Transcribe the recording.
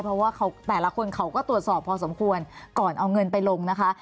เพราะว่าเขาแต่ละคนเขาก็ตรวจสอบพอสมควรก่อนเอาเงินไปลงนะคะ